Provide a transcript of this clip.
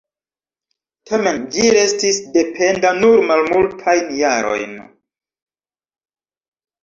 Tamen ĝi restis dependa nur malmultajn jarojn.